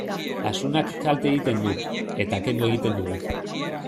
Asunak kalte egiten du, eta kendu egiten dugu.